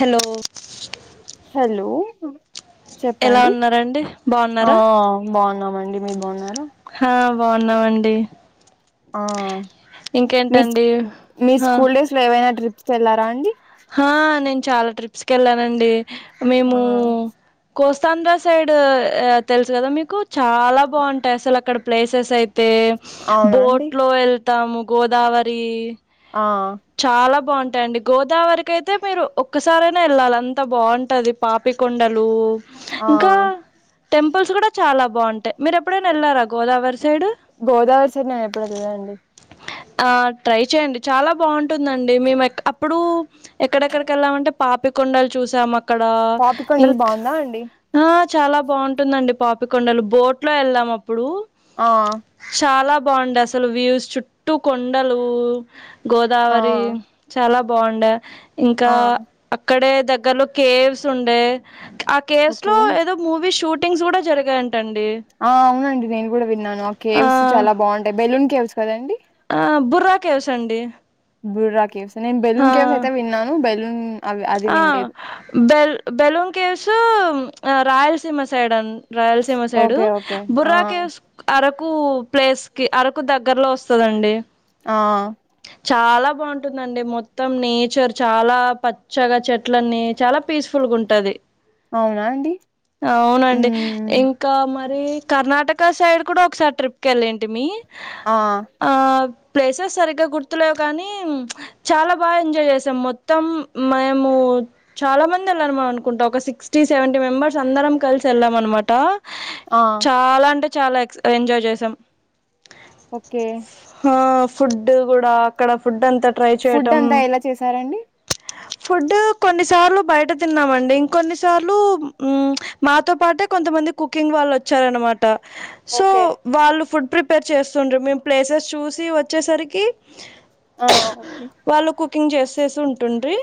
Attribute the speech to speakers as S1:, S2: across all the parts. S1: Hello
S2: hello
S1: ఎలా
S2: చెప్పండి
S1: ఉన్నారండి
S2: ఆ
S1: బాగున్నారా
S2: బాగున్నాం అండ మీరు బాగున్నార్
S1: హా బాగున్నామండి
S2: ఆ మీ స్
S1: ఇంకేంటండి
S2: మీ
S1: హా
S2: స్కూల్ డేస్ లో ఏవైనా ట్రిప్ స్త్ వెళ్లారా అండి
S1: హా నేను చాలా ట్రిప్స్కి వెళ్ళానండి
S2: ఆ
S1: మేము కోస్తాంధ్ర సైడు తెలుసు కదా మీకు చాలా బాగుంటాయి అసలు అక్కడ ప్లేసెస్ అయి తే
S2: అవునా అండి
S1: బోట్లో వెళ్ తాము గోదావరీ
S2: ఆ
S1: బాగుంటాయండి గో గోదావరికయితే మీరు ఒక్కసారైనా వెళ్ళాలి అంత బాగుంటది పాపికొండలూ
S2: ఆ
S1: ఇంకా టెం పుల్స్ కూడా చాలా బాగుంటాయి మీరు ఎప్పుడైనా వెళ్లారా గోదావరి సైడ్
S2: గోదావరి సైడ్ నేను ఎప్పుడు వెళ్ళలే అండి
S1: ఆ ట్రై చేయండి చాలా బావుం టుందండి మేము అప్పుడు ఎక్కడెక్కడికి వెళ్ళామంటే పాపి కొండలు చూసామ అక్కడ
S2: పాపికొండలు
S1: ఇంక్
S2: బాగుందా అండి
S1: ఆ చాలా బాగుంటుందండి పాపికొండలు బోట్ లో ఎళ్ళాం అప్పుడు
S2: ఆ
S1: చాలా బాగుండే అసలు వ్యూస్ చుట్టూ కొండలు
S2: ఆ
S1: గోదావరి చాలా బా బాగుండే ఇంకా
S2: ఆ
S1: అక్కడే దగ్గర్లో కేవ్స్ ఉండే ఆ కేసు లో
S2: ఓకే
S1: ఏదో మూవీ షూట్ టింగ్స్ కూడా జరగాయ
S2: ఆ అవునండి నేను గూడా విన్నాను ఆ కేవ్స్ చాలా బాగుంటాయి బెలూన్ కేవ్స్ సరేండి
S1: ఆ బుర్రా కేవసండి
S2: బుర్రా కేవసండి
S1: ఆ
S2: అవి అది
S1: ఆ
S2: వినలేదు
S1: బెల్ బెలూన్ కేవ్స్ రాయలసీమ సైడ్ అం రాయలసీమ సైడు
S2: ఓకే ఓకే ఆ
S1: బుర్రాకేవ్స్ అర అరకు ప్లేస్ కి అరకు దగ్గరలో వస్తుందండి
S2: ఆ
S1: చాలా బాగుంటుందండి మొత్తం నేచర్ చాలా పచ్చగా చెట్లన్నీ చాలా పీస్ఫుల్గా ఉంటది
S2: అవునా అండి
S1: అవునండి
S2: ఉమ్
S1: ఇంకా మరి కర్ణాటక సైడ్ కూడా ఒకసారి ట్రిప్కి వెళ్ళంటి మీ
S2: ఆ
S1: ఆ ప్లేసెస్ సరిగా గుర్తులే కానీ చాలా బాగా ఎంజాయ్ చేసాం మొత్తం మేము చాలా మంది వెళ్ళము అనుకుంటాం ఒక సిక్స్టీ సెవెంటీ మెంబర్స్ అందరం కలిసి వెళ్ళాం అనమాట
S2: ఆ
S1: చాలా అంటే చాలా ఎక్స్ ఎంజాయ్ చేసాం
S2: ఓకే
S1: ఆ ఫుడ్ గూడా అక్కడ ఫుడ్ అంతా ట్రై
S2: ఫుడ్
S1: చేయటం
S2: అంతా ఎలా చేసారండి
S1: ఫుడ్ కొన్నిసార్లు బయట తిన్నామండి ఇంకొన్నిసార్లు మాతో పాటే కొంతమంది కుకింగ్ వాళ్ళు వచ్చారనమాట ట సో
S2: ఓకే
S1: వాళ్ళు ఫుడ్ ప్రిపేర్ చేస్తుండు మేము ప్లేసెస్ చూసి వచ్చేసరికి
S2: ఆ ఓకే
S1: వాళ్ళు కుకింగ్ చేసేసి ఉంటుండ్రి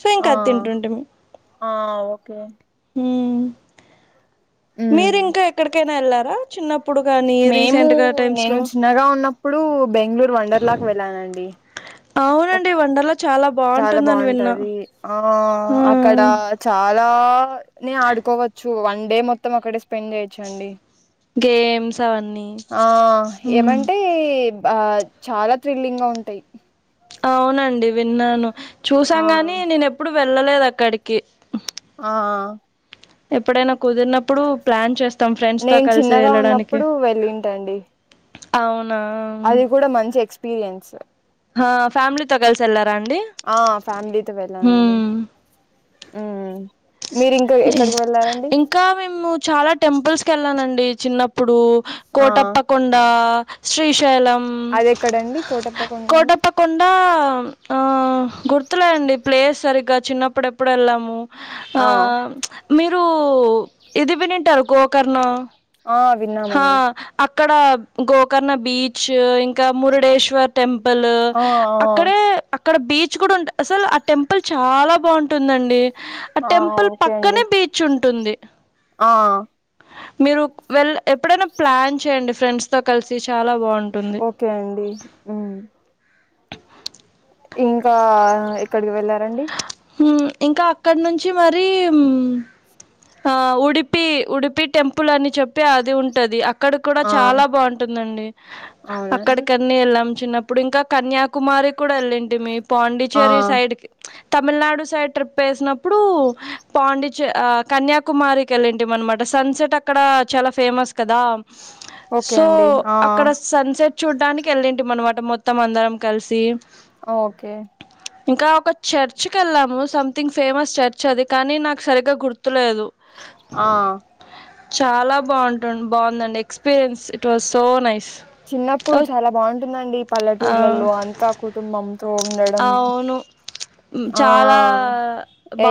S1: సో ఇంక
S2: ఆ
S1: అది తింటుంటిమి
S2: ఆ ఓకే మ్మ్
S1: మీరు ఇంకా ఎక్కడికైనా ఎళ్ళా గా చిన్న
S2: మేము నేను చిన్నగా ఉన్నప్పుడు బెంగ్ళూరు వండర్లాకి వెళ్ళానండి
S1: అవునండి
S2: ఓకే
S1: వండర్ లా చాలా
S2: చాలా
S1: బావుంటుందని విన్న
S2: బాగుంటది ఆ అక్కడ చాల్ [unintelligible] నే ఆడుకోవచ్చు వన్ డే మొత్తం అక్కడే స్పెండ్ చేయొచ్చండి
S1: గేమ్స్ అవన్నీ
S2: ఆ
S1: హ్మ్
S2: ఏమంటే ఆ చాలా థ్రిల్లింగ్ గా ఉంటాయి
S1: అవునండి విన్నాను
S2: ఆ
S1: చూసాన్ గాని నేనెప్పుడూ వెల్ ళ్ళలేదక్కడికి
S2: ఆ
S1: ఎప్పుడైనా కుదిరినప్పుడు ప్లాన్ చేస్
S2: నేను చిన్నగా ఉన్నప్పుడు వెళ్ళింటండి
S1: అవును
S2: అది కూడా మంచి ఎక్స్పీరియన్స్
S1: హ ఫ్యామిలీ తో గల్సి ఎళ్ళా
S2: ఆ ఫ్యామిలీతో వెళ్ళానండి
S1: హ్మ్
S2: మీరు ఇంకా ఎక్కడికి వెళ్ళారండి
S1: ఇంకా మేము చాలా టెంపుల్స్ కెళ్ళానం అండి చిన్నప్పుడు
S2: ఆ
S1: కోటప్ప కొండ శ్రీశైలం
S2: అదెక్కడండి కోటప్పకొండ [inaudible]
S1: మ్ ఆ గుర్తులే అండి ప్లేస్ సరిగ్గా చిన్నప్పుడెప్పుడొ ఎళ్ళాము ఆ [unintelligible] మీరు ఉ ఇది వినింటారు గో కర్నా
S2: ఆ విన్నామండి.
S1: ఇక్కడ గోకర్ణ బీచ్ ఇంకా మురుడేశ్వర్ టెంప్ ల్
S2: ఆ ఆ
S1: అక్కడే అక్కడ బీ చ్ కూడా ఉంట అసలు ఆ టెంపుల్ చాలా బావుంటుందండి.
S2: ఆ ఓకే అండి. ఆ
S1: మీరు వెళ్ళ ఎప్పుడైనా ప్లాన్ చేయండి. ఫ్రెండ్స్ తో కలిసి చాలా బా
S2: ఓకే అండి. ఉ ఇంకా ఎక్కడికి వెళ్ళారండి.
S1: ఇం ఇంకా అక్కడ నుంచి మరి ఆ ఉడిపి ఉడిపి టెంపుల్ అని చెప్పి అది ఉంటది. అ క్కడ కూడా
S2: ఆ
S1: చాలా బావుంటందండి.
S2: అవునండి
S1: అక్కడికన ఎళ్ళాం. చిన్నప్పుడు ఇంకా కన్యాకుమారి కూడా ఎళ్ళింటిమి.
S2: ఆ
S1: పాండిచ్చేరి సైడ్ కి తమిళనాడు సైడ్ ట్రిప్ ఏసినప్పుడు పాండిచే ఆ కన్యాకుమారికి వెళ్ళింటిం అనమాట సన్సెట్ అక్కడ చాలా ఫేమస్ కదా.
S2: ఓకే
S1: సో
S2: అండి ఆ
S1: అక్కడ సన్ సెట్ చూడ్డానికి వెళ్ళింటి మనమా అ మొత్తం అందరం కలిసి
S2: ఓకే
S1: ఇంకా ఒక చర్చ్ కెళ్ళాము సంమ్తింగ్ ఫేమస్ చర్చ్ అది కానీ నాకు సరిగ్గా గుర్తులేదు‌.
S2: ఆ
S1: చాలా బాగుంటుంట్ బావుందండి.
S2: చిన్నప్పుడు చాలా బాగుంటుందండి. ఈ
S1: ఆ
S2: పల్లెటూర్లలో అంతా కుటుంబంతో ఉండడం.
S1: అవును
S2: ఆ
S1: చాలా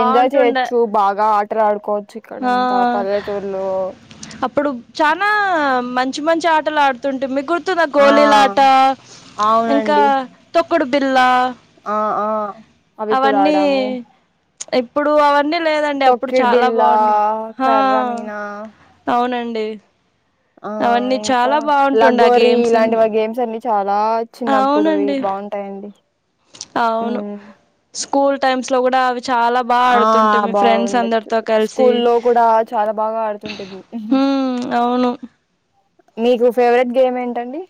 S2: ఎంజాయ్ చేయొచ్చు బాగా ఆటలు ఆడుకోద్
S1: ఆ అప్పుడు చానా మంచి మంచి ఆటలు ఆడుతుంటిమీ గు ర్తుంద
S2: ఆ
S1: గోలీలాట ఇంకా
S2: అవునండి
S1: తొ క్కుడుబిల్లా
S2: ఆ ఆ అవి కూడా
S1: అవన్నీ
S2: ఆడాము
S1: ప్చ్ ఇప్పుడు అవన్నీ లేదండి అప్పుడు
S2: తొక్కిడి
S1: చాలా
S2: బిళ్ళ
S1: బావుండు ఆ
S2: కర్ర మీనా
S1: అవునండి. అ
S2: ఆ ఇంకా
S1: ఆ
S2: లగోరి
S1: గేమ్స్
S2: ఇలాంటి వ గేమ్స్ అన్ని అలా చిన్నప్పుడువి
S1: అవునండి
S2: బావుంటాయండి. ఉ
S1: క్కుల్ టైమ్స్ లో కూడా అవి చాలా బాగా ఆడుతుంటిమి ఫ్రెండ్స్
S2: బాగుండొచ్చు
S1: అందరితో కలిసి
S2: స్కూల్లో కూడా చాలా బాగా ఆడుతుంటిమి
S1: హ్మ్ అవును
S2: మీకు ఫేవరెట్ గేమ్ ఏంటండి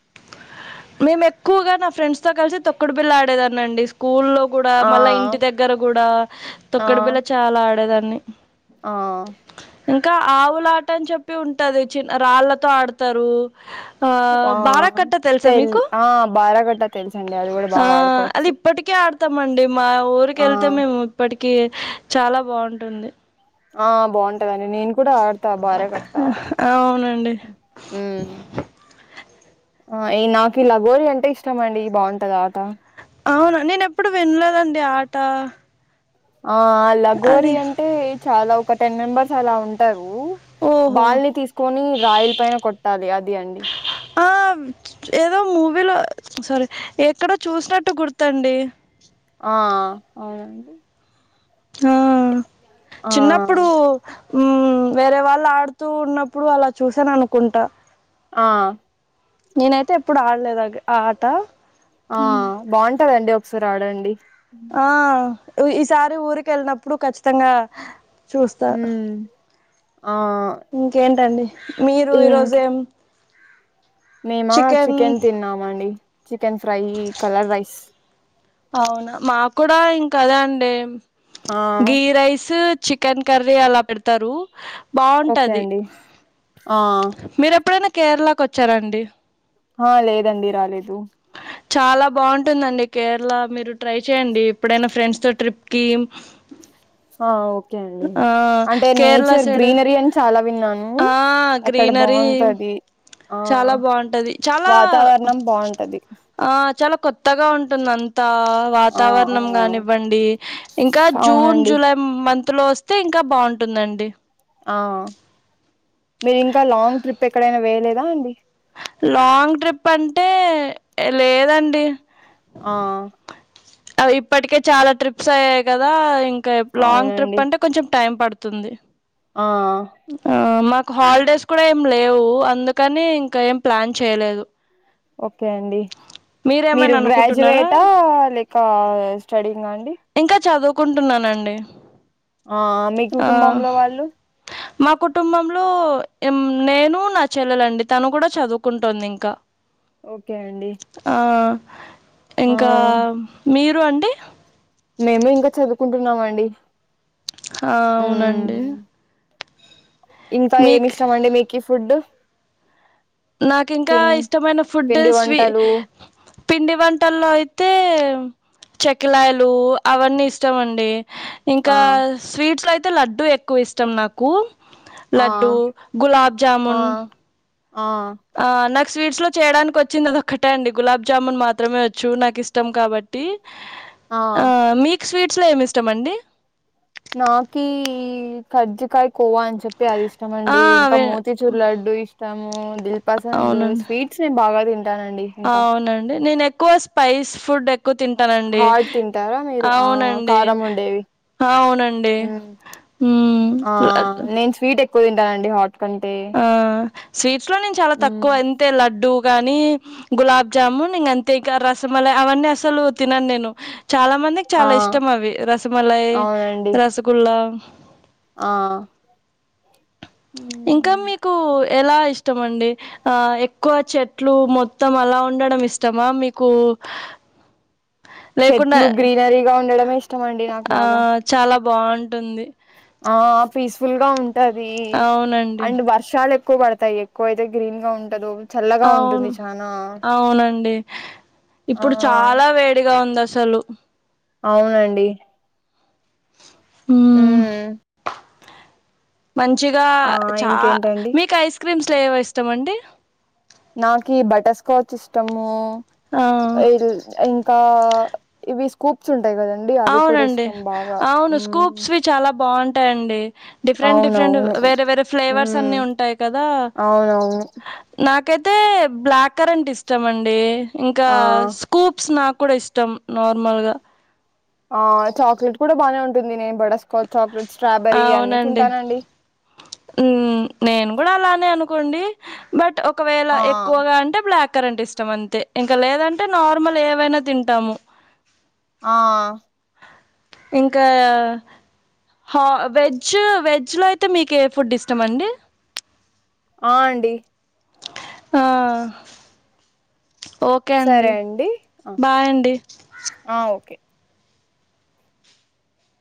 S1: మేము ఎక్కువగా నా ఫ్రెండ్స్ తో కలిసి తొక్కుడు బిల్లా ఆడేదానండి స్కూ క్కుల్లో కూడా
S2: ఆ
S1: మళ్ళా ఇంటి దగ్గర కూడా
S2: ఆ
S1: తొక్కడబిల్ల చాలా ఆడేదాన్ అన్ని
S2: ఆ
S1: ఇంకా ఆవులాట అని చెప్పి ఉంటది చిన్న రాళ్ళతో ఆడతారు ఆ బారా కట్ట తెలుసా
S2: తెల్
S1: మీక్
S2: ఆ బారాకట్ట తెలుసండి అది కూడా బాగా
S1: అది
S2: ఆడుకోవచ్చు
S1: ఇప్పటికే ఆడతామండి మా
S2: ఆ
S1: ఊరికేళ్తే మేము ఇప్పటి కీ చాలా బాగుంటుంది
S2: ఆ బావుంటది నే నేను కూడా ఆడతా బారేకట్ట
S1: అవునండి
S2: మ్మ్ ఆ నాకీ లగోరీ అంటే ఇష్టంమండి బాగుంటది ఆట
S1: అవునా నేను ఎప్పుడు వినలేదండి ఆట
S2: ఆ లగోర
S1: అది
S2: అంటే చాలా ఒక టెన్ మెంబర్స్ అలా ఉంటారు
S1: ఓహో
S2: బాల్ని తీసుకుని రాయిల పైన కొట్టాలి అది అండి
S1: ఆ ఏదో మూవీలో సారీ ఎక్కడో చూసినట్టు గుర్తండి
S2: ఆ అవునండి
S1: ఆ
S2: ఆ
S1: చిన్నప్పుడు మ్మ్ వేరే వాళ్ళు ఆడుతూ ఉన్నప్పుడు అలా చూసాను అనుకుంటా
S2: ఆ
S1: నేనైతే ఎప్పుడు ఆడలేదు గ ఆట
S2: ఆ బావుంటదండి సారి ఆడండి
S1: ఆ ఈ ఈసారి ఊరికెళ్ళినప్పుడు ఖచ్చితంగా చూస్తా
S2: హ్మ్. ఆ
S1: ఇంకేంటండి మీరు
S2: ఇంక
S1: ఈరోజేం
S2: మేమా చికెన్ తిన్నామండి చికెన్ ఫ్రై కలర్ రైస్
S1: అవునా మా కూడా ఇంకదే అండి
S2: ఆ
S1: గీ రైస్ చికెన్ కర్రీ అలా పెడతారు
S2: ఓకే
S1: బాగుంటది
S2: అండి ఆ
S1: మీర ఎప్పుడైనా కేరళకు వచ్చారాండి
S2: ఆ లేదండి రాలేదు
S1: చాలా బాగుంటుందండి కేరళ మీరు ట్రై చేయండి ఎప్పుడైనా ఫ్రెండ్స్ తో ట్రిప్కీ
S2: ఆ ఓ
S1: ఆ కేరళ సైడ్
S2: గ్రీనరీ అని చాలా విన్నాను
S1: ఆ
S2: అక్కడ
S1: గ్రీనరీ
S2: బాగుంటది ఆ
S1: చాలా బాగుంటది చాలా
S2: వాతావరణం బాగుంటది
S1: ఆ చాలా కొత్తగా ఉంటుంది అంతా
S2: ఆ ఆ
S1: వాతావరణం కానివ్వండి ఇంకా జూన్
S2: అవునండి
S1: జూలై మంత్లో వస్తే ఇంకా బాగుంటుందండి
S2: ఆ మీరు ఇంకా లాంగ్ ట్రిప్ ఎక్కడైనా వేయలేదా అండి
S1: లాంగ్ ట్రిప్ అంటే లేదండి
S2: ఆ
S1: ఇప్పటికే చాలా ట్రిప్స్ అయ్యాయి కదా ఇం క లాంగ్
S2: అవునండి
S1: ట్రిప్ అంటే కొంచెం టైం పడుతుంది
S2: ఆ
S1: ఆ మాక్ హాలిడేస్ కూడా ఏం లేవు అందుకని ఇంకా ఏం ప్లాన్ చేయలేదు
S2: ఓకే అండి మీరు
S1: మీరేమైనా అనుకుంటున్నారా
S2: గ్రాడ్యుయేటా లేక స్టడ్యింగ్ఆ
S1: ఇంకా చదువు కుంటున్నానండి
S2: ఆ మీ కుటుంబంలో వాళ్ళు
S1: మా కుటుంబంలో నేను నా చెల్లెలండి తను కూడా చదువుకుంటుంది ఇంకా
S2: ఓకే అండి
S1: ఆ
S2: ఆ
S1: ఇంకా మీర్ రు అండి
S2: మేము ఇంకా చదువుకుంటున్నామండి
S1: ఆ
S2: మ్మ్
S1: అవునండి
S2: ఇంకా ఏమి
S1: మీక్
S2: ఇష్టం అండి మీకిఫుడ్
S1: నాకు ఇంకా ఇష్టమైన ఫుడ్
S2: పిండి
S1: స్వీ
S2: వంటలు
S1: పిండి వంటల్లో అయితే చెకిలాయలు అవన్నీ ఇష్టం అండి
S2: ఆ
S1: ఇంకా స్వీట్స్ లో అయి అయితే లడ్డూ ఎక్కువ ఇష్టం నాకు
S2: ఆ
S1: లడ్డూ గులాబ్
S2: ఆ
S1: జామూన్
S2: ఆ
S1: స్వీట్స్ లో చేయడానికి వచ్చింది అది ఒక్కటే అండి గులాబ్ జామున్ మాత్రమే వచ్చు నాకు ఇష్టం కాబట్టి ఆ మిక్ స్వీట్ అట్లో ఏమి ఇష్టమ అండి
S2: నాకిీ కజ్జ కాయ కోవా అని చెప్పి అది ఇష్టమ
S1: ఆ!
S2: అండి ఇంకా
S1: అవే
S2: మోతీచూరు లడ్డు ఇష్టం ము ది పస
S1: అవునండి.
S2: స్వీట్స్ నే బాగా తింటానండి ఇంకా
S1: అవునండి నేను ఎ ఎక్కువ స్పైస్ ఫుడ్ ఎ ఎక్కువ తింటానండి
S2: హాట్ తింటారా మీరు ఆ
S1: అవునండి
S2: కారం ఉండేవి
S1: అవునండి
S2: మ్మ్ తింటాడి హాట్ కంటే
S1: ఆ స్వీట్స్ లో నేను చాలా
S2: మ్మ్
S1: తక్కువ అంతే లడ్డుూ కాగానీ గులాబ్జామున్ ఇక అంతే ఇ రసమల అవన్నీ అసలు తినను నేను చాలా మందికి
S2: ఆ
S1: చాలా ఇష్టం అవి రసమలాయి
S2: అవునండి
S1: రసగుల్ల
S2: ఆ ఉ
S1: ఇంకా మీకు ఎలా ఇష్టమ అండి ఆ ఎక్కువ చెట్లు మొత్తం అలా ఉండడం ఇష్టమా మీకు లేకుండా
S2: చెట్లు గ్రీనరీగా ఉండడమే ఇష్టం అండి నాకు బాగా
S1: బాగుంటుంది
S2: ఆ పీస్ఫుల్ గా ఉంటు పది
S1: అవునండి.
S2: అండ్ వర్షాలు ఎ ఎక్కువ పడతాయి ఎక్కువ అయితే గ్రీన్ గా ఉంటదు చల్లగా
S1: అవును
S2: ఉంటుంది చానా
S1: అవునండి
S2: ఆ
S1: ఇప్పుడు చాలా వేడిగా ఉంది చలు
S2: అవునండి హ
S1: హ్మ్. మంచిగా చాలా
S2: ఇంకేంటండి
S1: మీకు ఐస్ క్రీమ్స్ స్వ ఇస్తమ అండి
S2: నాకి బటర్స్కాచ్ ఇష్టము
S1: ఆ!
S2: ఇ ఇంకా ఇవి స్కూప్స్ ఉంటాయి కదండి అవి కూడా
S1: అవునండి
S2: ఇష్టం బాగా
S1: అవును
S2: హ్మ్.
S1: స్కూప్స్ వి చాలా బాగుంటా టండి డిఫరెంట్ డిఫరెంట్
S2: అవునవును
S1: వేరే వేరే ఫ్లేవర్స్
S2: ఉమ్
S1: అన్ని ఉంటాయి కదా
S2: అవునవును
S1: నాక్ ఒకకైతే బ్లాక్ కరంట్ ఇష్టామ అండి ఇంకా
S2: ఆ
S1: స్కూప్స్ నాకు కూడా ఇష్టం నార్మల్ గా
S2: ఆ చాక్లెట్ కూడా బానే ఉంటుంది నేన్ బటర్స్కాచ్ చాక్లెట్ స్ట్రాబెరీ అన్ని
S1: అవునండి
S2: తింటానండి
S1: కొండి బట్ ఒకవేళ
S2: ఆ
S1: ఎక్కువగా అంటే బ్లాక్ కరెంట్ ఇష్టం అంతే ఇంకా లేదంటే నార్మల్ ఏవైనా తింటాము
S2: ఆ
S1: ఇంకా హా వెజ్ వెజ్లో అయితే మీకు ఏ ఫుడ్ ఇస్తామండి
S2: ఆ అండి
S1: ఆ ఓకే
S2: సరే
S1: అండి
S2: ఆ
S1: బాయ్ అండి
S2: ఆ! ఓకే